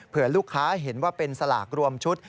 เพื่อลูกค้าเห็นว่าเป็นสลากรวมชุด